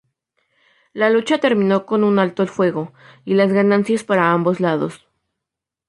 La lucha terminó con un alto el fuego y las ganancias para ambos lados.